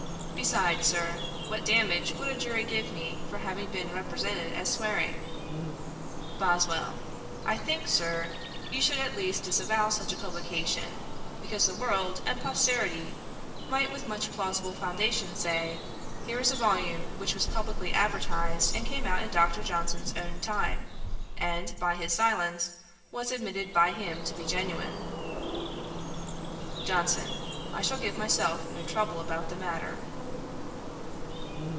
Besides, Sir, what damages would a jury give me for having been represented as swearing?' BOSWELL. 'I think, Sir, you should at least disavow such a publication, because the world and posterity might with much plausible foundation say, "Here is a volume which was publickly advertised and came out in Dr. Johnson's own time, and, by his silence, was admitted by him to be genuine."' JOHNSON. 'I shall give myself no trouble about the matter.'